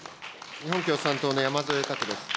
日本共産党の山添拓です。